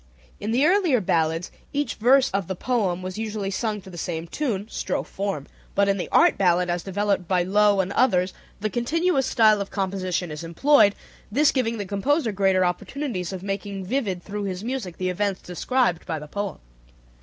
In the earlier ballads each verse of the poem was usually sung to the same tune (strophe form), but in the art ballad as developed by Loewe and others the continuous style of composition is employed, this giving the composer greater opportunities of making vivid through his music the events described by the poem.